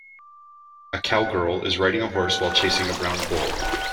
A cowgirl is riding a horse while chasing a brown bull.